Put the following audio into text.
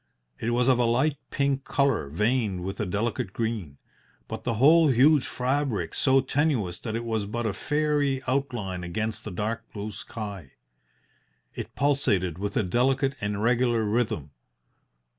It was of a light pink colour veined with a delicate green, but the whole huge fabric so tenuous that it was but a fairy outline against the dark blue sky. It pulsated with a delicate and regular rhythm.